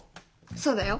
そうだよ。